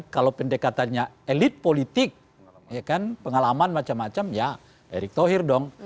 kalau pendekatannya elit politik pengalaman macam macam ya erick thohir dong